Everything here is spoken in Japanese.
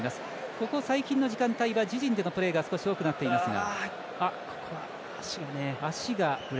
ここ最近の時間帯は自陣でのプレーが少し多くなっていますが。